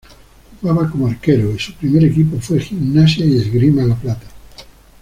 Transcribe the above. Jugaba como arquero y su primer equipo fue Gimnasia y Esgrima La Plata.